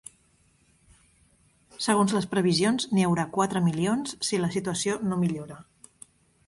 Segons les previsions n’hi haurà quatre milions si la situació no millora.